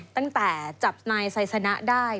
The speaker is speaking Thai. ตั้งแต่จับนายไซสนะได้